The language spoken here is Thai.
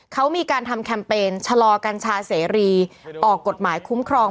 เขามีการทำแคมเปญชะลอกัญชาเสรีออกกฎหมายคุ้มครอง